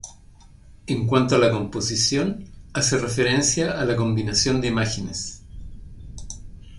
En cuanto a la composición hace referencia a la combinación de imágenes.